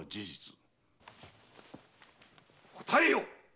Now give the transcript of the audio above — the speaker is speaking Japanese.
答えよっ！